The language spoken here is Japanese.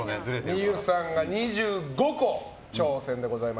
望結さんが２５個、挑戦でございます。